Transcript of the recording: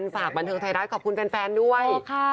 ฝากบันเทิงไทยรัฐขอบคุณแฟนด้วย